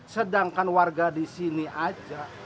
sedangkan warga disini aja